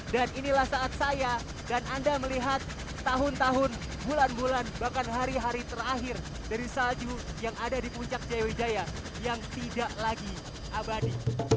dan inilah saat saya dan anda melihat tahun tahun bulan bulan bahkan hari hari terakhir dari salju yang ada di puncak jaya wijaya yang tidak lagi abadi